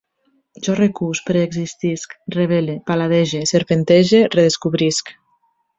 Jo recús, preexistisc, revele, paladege, serpentege, redescobrisc